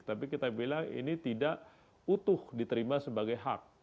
tapi kita bilang ini tidak utuh diterima sebagai hak